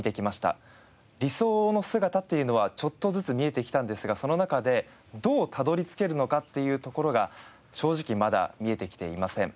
理想の姿というのはちょっとずつ見えてきたんですがその中でどうたどり着けるのかっていうところが正直まだ見えてきていません。